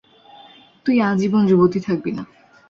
তুই আজীবন যুবতী থাকবি না!